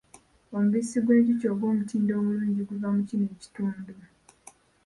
Omubisi gw'enjuki ogw'omutindo omulungi guva mu kino ekitundu.